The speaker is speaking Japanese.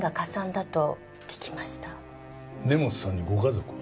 根本さんにご家族は？